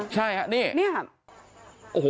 ใช่ฮะ